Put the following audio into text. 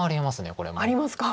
これも。ありますか。